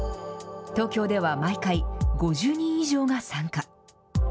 東京では、毎回、５０人以上が参加。